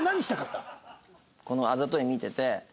このあざとい見てて。